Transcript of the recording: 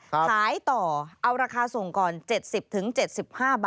ขายต่อเอาราคาส่งก่อน๗๐๗๕บาท